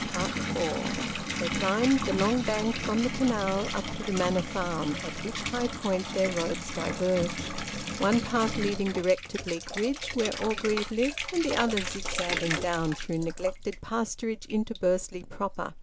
FOUR. They climbed the long bank from the canal up to the Manor Farm, at which high point their roads diverged, one path leading direct to Bleakridge where Orgreave lived, and the other zigzagging down through neglected pasturage into Bursley proper.